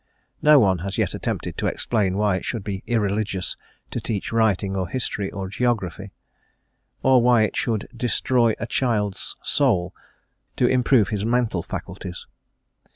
No one has yet attempted to explain why it should be "irreligious" to teach writing, or history, or geography; or why it should "destroy a child's soul" to improve his mental faculties.